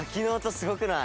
すごくない？